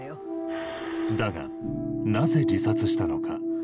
だがなぜ自殺したのか。